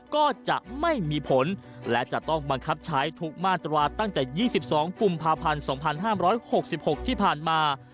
ก็จะไม่มีผลและจะต้องบังคับใช้ทุกมาตราตั้งแต่๒๒กุมภาพันธ์๒๕๖๖ที่ผ่านมา